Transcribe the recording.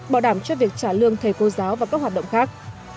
bảo đảm cho việc trả lương thầy cô giáo và các hoạt động khác